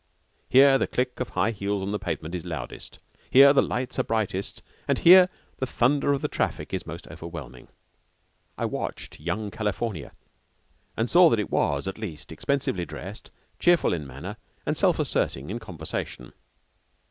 Here the click of high heels on the pavement is loudest, here the lights are brightest, and here the thunder of the traffic is most overwhelming. I watched Young California, and saw that it was, at least, expensively dressed, cheerful in manner, and self asserting in conversation.